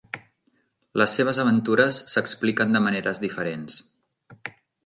Les seves aventures s'expliquen de maneres diferents.